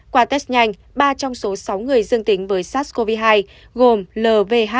qua test nhanh ba trong số sáu người dương tính với sars cov hai gồm lvh